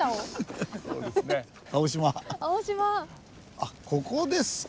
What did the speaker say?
あっここですか。